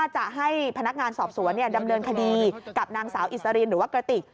จะให้พนักงานสอบสวนดำเนินคดีกับนางสาวอิสรินหรือว่ากระติก